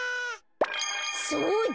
そうだ。